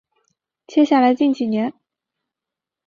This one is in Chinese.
接下来近几年